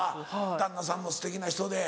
旦那さんもすてきな人で。